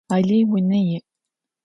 Alıy vune yi'.